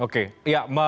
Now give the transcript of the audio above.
termasuk masyarakat adat